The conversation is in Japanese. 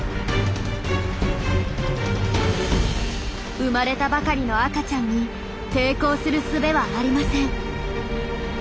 生まれたばかりの赤ちゃんに抵抗するすべはありません。